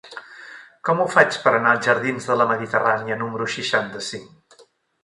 Com ho faig per anar als jardins de la Mediterrània número seixanta-cinc?